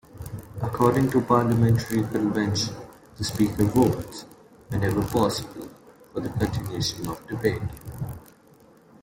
According to parliamentary convention, the Speaker votes, whenever possible, for the continuation of debate.